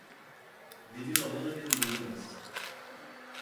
Divinolândia de Minas